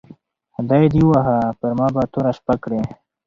خدای دي ووهه پر ما به توره شپه کړې